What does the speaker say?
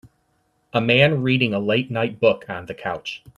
a man reading a late night book on the couch.